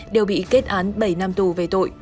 đều bị kết án bảy năm tù về tội